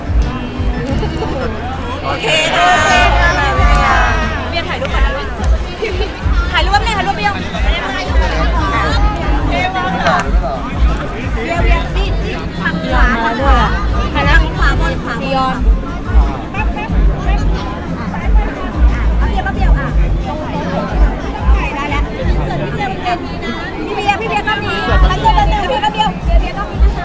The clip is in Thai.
ขอบคุณทุกคน